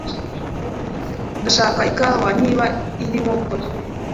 Ndashaka ikawa niba urimo gukora.